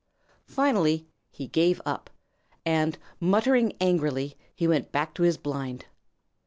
Finally he gave up, and muttering angrily, he went back to his blind.